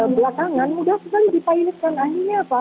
belakangan mudah sekali dipainitkan akhirnya apa